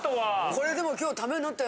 これでも。